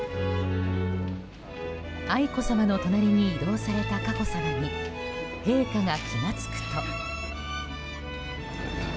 愛子さまの隣に移動された佳子さまに陛下が気が付くと。